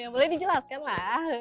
boleh dijelaskan lah